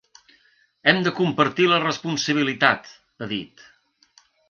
Hem de compartir la responsabilitat, ha dit.